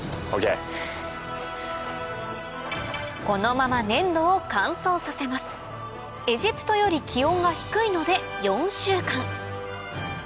このまま粘土を乾燥させますエジプトより気温が低いので４週間